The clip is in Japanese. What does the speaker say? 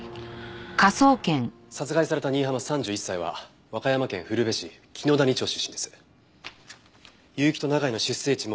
殺害された新浜３１歳は和歌山県古辺市紀野谷町出身です。